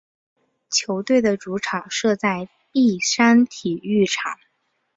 球队的主场设在碧山体育场。